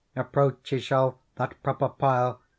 Approach he shall that proper pile.